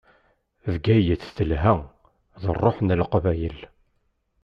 Bgayet telha, d ṛṛuḥ n Leqbayel.